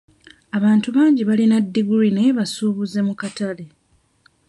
Abantu bangi balina ddiguli naye basuubuzi mu katale.